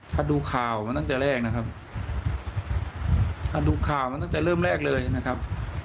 ถ้าดูข่าวมาตั้งแต่แรกนะครับถ้าดูข่าวมาตั้งแต่เริ่มแรกเลยนะครับ